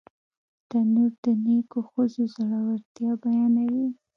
تنور د نیکو ښځو زړورتیا بیانوي